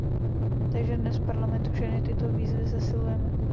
Takže dnes v Parlamentu všechny tyto výzvy zesilujeme.